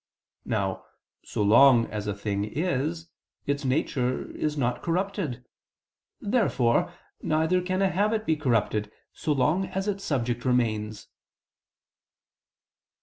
Now so long as a thing is, its nature is not corrupted. Therefore neither can a habit be corrupted so long as its subject remains.